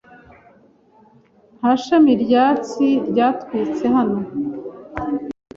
Nka shami ryatsi ryatwitse hano